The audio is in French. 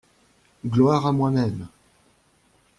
Gloire à moi-même!